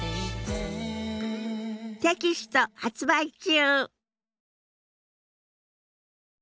テキスト発売中。